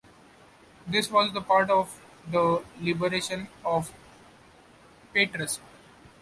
This was part of the liberation of Patras.